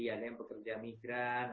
ada yang bekerja migran